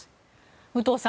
武藤さん